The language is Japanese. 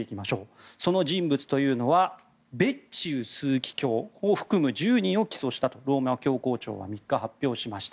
その人物というのはベッチウ枢機卿を含む１０人を起訴したとローマ教皇庁は発表しました。